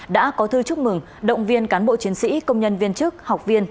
đã có thư chúc mừng động viên cán bộ chiến sĩ công nhân viên chức học viên